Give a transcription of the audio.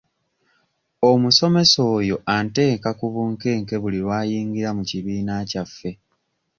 Omusomesa oyo anteeka ku bunkenke buli lw'ayingira mu kibiina kyaffe.